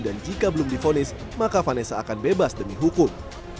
dan jika belum difonis maka vanessa akan bebas demi hukum